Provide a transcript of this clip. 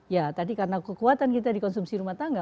ya tadi karena kekuatan kita dikonsumsi rumah tangga